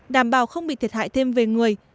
đảm bảo không bị thiệt hại thêm về người